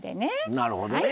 なるほどね。